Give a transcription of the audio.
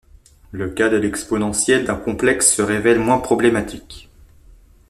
Le cas de l'exponentielle d'un complexe se révèle moins problématique.